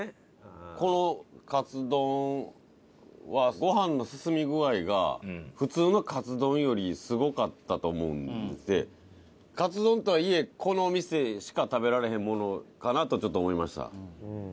このカツ丼はご飯の進み具合が普通のカツ丼よりすごかったと思うのでカツ丼とはいえこの店しか食べられへんものかなとちょっと思いました。